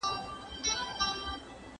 ¬ په باغ کي الو غيم، په کلي کي بِلرغو.